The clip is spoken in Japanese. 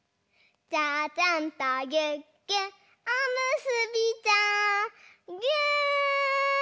「ちゃちゃんとぎゅっぎゅっおむすびちゃん」ぎゅ！